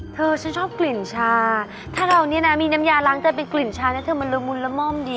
เธอฉันชอบกลิ่นชาถ้าเราเนี่ยนะมีน้ำยาล้างแต่เป็นกลิ่นชาเนี่ยเธอมันละมุนละม่อมดี